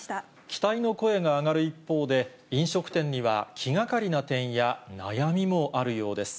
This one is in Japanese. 期待の声が上がる一方で、飲食店には気がかりな点や悩みもあるようです。